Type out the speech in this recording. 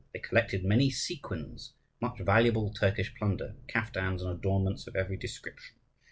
They collected many sequins, much valuable Turkish plunder, caftans, and adornments of every description.